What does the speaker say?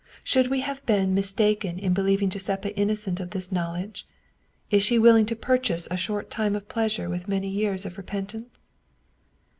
Should we have been mistaken in believing Giuseppa innocent of this knowledge? Is she willing to purchase a short time of pleasure with many years of repentance